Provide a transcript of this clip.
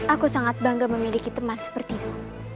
aku sangat bangga memiliki teman sepertimu